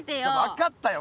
分かったよ